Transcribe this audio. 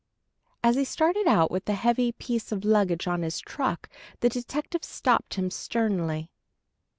As he started out with the heavy piece of luggage on his truck, the detective stopped him sternly.